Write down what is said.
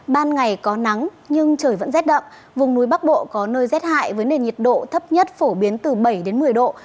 ban ngày có nắng nhưng trời vẫn rét đậm vùng núi bắc bộ có nơi rét hại với nền nhiệt độ thấp nhất phổ biến từ bảy đến một mươi độ